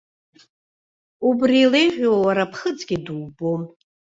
Убри илеиӷьу уара ԥхыӡгьы дубом.